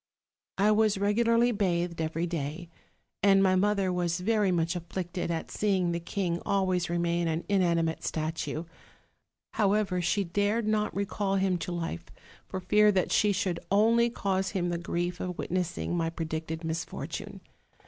"I was regularly bathed every day, and my mother was very much afflicted at seeing the king always remain an inanimate statue; however, she dared not recall him to life, for fear that she should only cause him the grief of Witnessing my predicted misfortune.